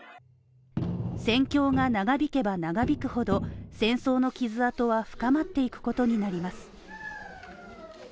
戦況が長引けば長引くほど、戦争の傷痕は深まっていくことになります。